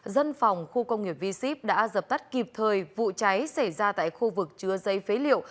dân phòng khu công nghiệp v ship đã dập tắt kịp thời vụ cháy xảy ra tại khu vực chứa dây phế liệu